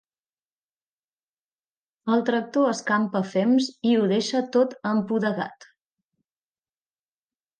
El tractor escampa fems i ho deixa tot empudegat.